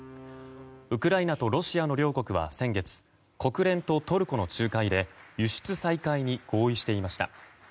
ウクライナとロシアの両国は先月国連とトルコの仲介で輸出再開に合意していました。